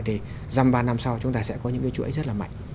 thì dăm ba năm sau chúng ta sẽ có những cái chuỗi rất là mạnh